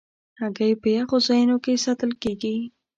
هګۍ په یخو ځایونو کې ساتل کېږي.